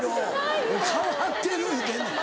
変わってる言うてんねん。